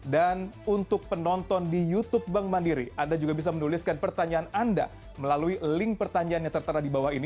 dan untuk penonton di youtube bank mandiri anda juga bisa menuliskan pertanyaan anda melalui link pertanyaan yang tertera di bawah ini